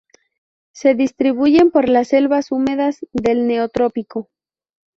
Se distribuyen por las selvas húmedas del neotrópico.